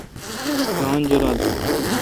ران جولال تھون۔